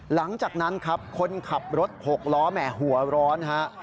หลังจากนั้นครับคนขับรถหกล้อแหมหัวร้อนฮะ